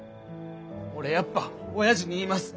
俺やっぱおやじに言います。